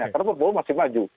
karena pak prabowo masih maju